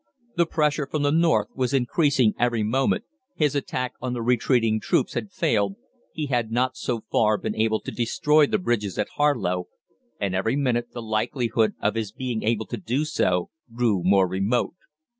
The pressure from the north was increasing every moment, his attack on the retreating troops had failed, he had not so far been able to destroy the bridges at Harlow, and every minute the likelihood of his being able to do so grew more remote.